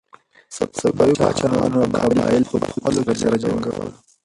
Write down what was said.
صفوي پاچاهانو قبایل په خپلو کې سره جنګول.